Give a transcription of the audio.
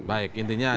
baik intinya ada